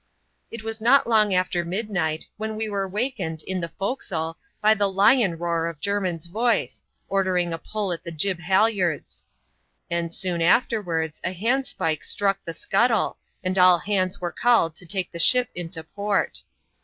It was not long after midnight, when we were wakened in the forecastle by the lion roar of Jermin's voice, ordering a pull at the jib halyards; and soon afterwards, a handspike struck the scuttle, and all hands were called to take the ship into port.